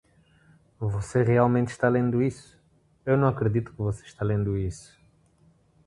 você realmente está lendo isso? eu não acredito que você está lendo isso!